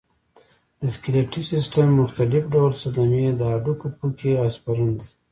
د سکلیټي سیستم مختلف ډول صدمې د هډوکو پوکی او سپرن دی.